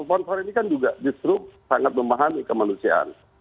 sponsor ini kan juga justru sangat memahami kemanusiaan